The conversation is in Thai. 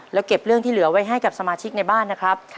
แล้วเก็บเรื่องที่เหลือไว้ให้กับสมาชิกในบ้านนะครับ